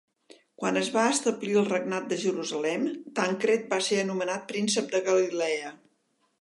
Quan es va establir el Regnat de Jerusalem, Tancred va ser anomenat Príncep de Galilea.